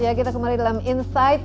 ya kita kembali dalam insight